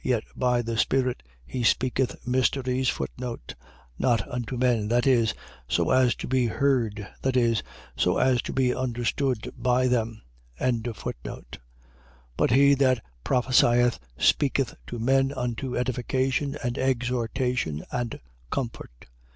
Yet by the Spirit he speaketh mysteries. Not unto men. . .Viz., so as to be heard, that is, so as to be understood by them. 14:3. But he that prophesieth speaketh to men unto edification and exhortation and comfort.